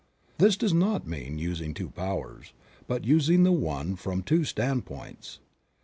This does not mean using two powers, but using the One from two standpoints.